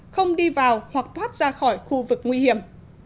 không đi vào hoặc thoát ra khỏi khu vực nguy hiểm